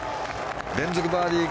連続バーディー！